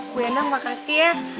bu endang makasih ya